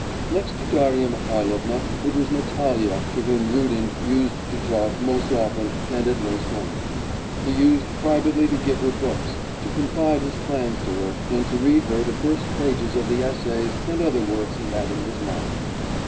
Next to Darya Mihailovna, it was Natalya to whom Rudin used to talk most often and at most length. He used privately to give her books, to confide his plans to her, and to read her the first pages of the essays and other works he had in his mind.